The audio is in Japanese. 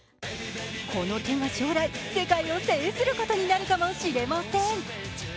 この手が将来、世界を制することになるかもしれません。